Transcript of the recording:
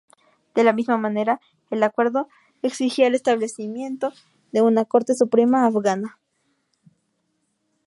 De la misma manera, el acuerdo exigía el establecimiento de una Corte Suprema Afgana.